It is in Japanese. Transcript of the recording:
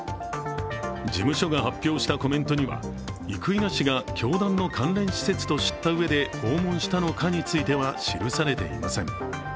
事務所が発表したコメントには生稲氏が教団の関連施設を知ったうえで訪問したのかについては記されていません。